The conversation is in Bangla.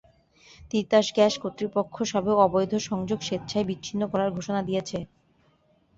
তিতাস গ্যাস কর্তৃপক্ষ সবে অবৈধ সংযোগ স্বেচ্ছায় বিচ্ছিন্ন করার ঘোষণা দিয়েছে।